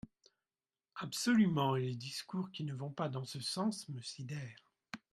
Absolument ! Et les discours qui ne vont pas dans ce sens me sidèrent.